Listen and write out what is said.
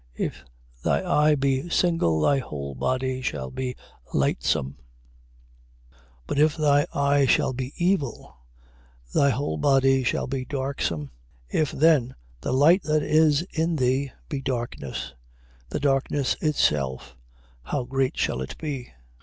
If thy eye be single, thy whole body shall be lightsome. 6:23. But if thy eye be evil thy whole body shall be darksome. If then the light that is in thee, be darkness: the darkness itself how great shall it be!